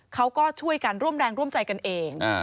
เขาก็ช่วยกันร่วมแรงร่วมใจกันเอง